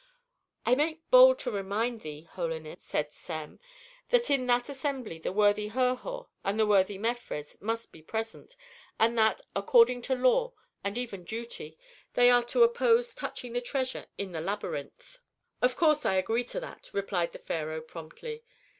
"I make bold to remind thee, holiness," said Sem, "that at that assembly the worthy Herhor and the worthy Mefres must be present, and that, according to law, and even duty, they are to oppose touching the treasure in the labyrinth." "Of course I agree to that," replied the pharaoh promptly.